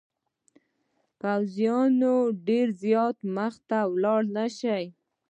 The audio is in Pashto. پوځونه ډېر زیات مخته ولاړ نه شي.